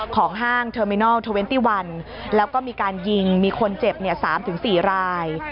ของห้างเทอร์มินาล๒๑แล้วก็มีการยิงมีคนเจ็บสามถึงสี่ราย